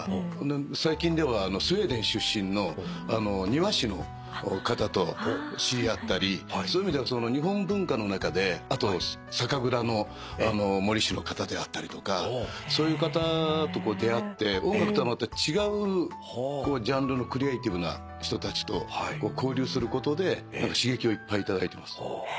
最近ではスウェーデン出身の庭師の方と知り合ったりそういう意味では日本文化の中であと酒蔵の方であったりとかそういう方と出会って音楽とはまた違うジャンルのクリエーティブな人たちと交流することで刺激をいっぱい頂いてます。